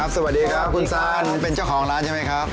สวัสดีครับคุณซานเป็นเจ้าของร้านใช่ไหมครับ